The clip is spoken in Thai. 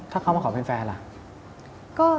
ถ้าเขามาขอเป็นแฟนล่ะ